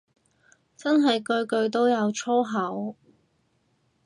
真係句句都有粗口